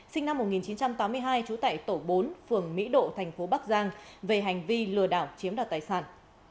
sinh năm một nghìn chín trăm tám mươi hai trú tại tổ bốn phường mỹ độ thành phố bắc giang về hành vi lừa đảo chiếm đoạt tài sản